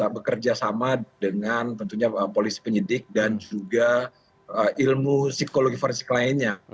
bekerja sama dengan tentunya polisi penyidik dan juga ilmu psikologi forensik lainnya